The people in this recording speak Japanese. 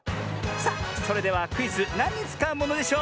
さあそれではクイズ「なんにつかうものでショー」